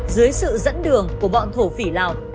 dưới sự dẫn đường của bọn thổ phỉ lào